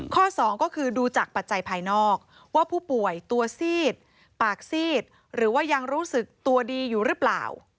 สองก็คือดูจากปัจจัยภายนอกว่าผู้ป่วยตัวซีดปากซีดหรือว่ายังรู้สึกตัวดีอยู่หรือเปล่า